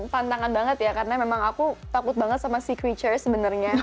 tantangan banget ya karena memang aku takut banget sama sea curi sebenarnya